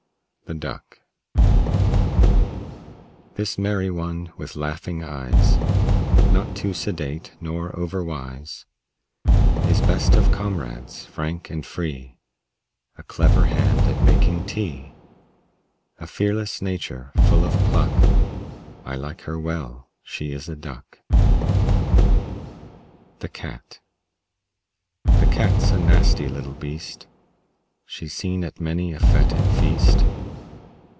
THE DUCK This merry one, with laughing eyes, Not too sedate nor overwise, Is best of comrades; frank and free, A clever hand at making tea; A fearless nature, full of pluck, I like her well she is a Duck. THE CAT The Cat's a nasty little beast; She's seen at many a fête and feast.